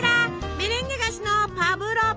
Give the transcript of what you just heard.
メレンゲ菓子のパブロバ。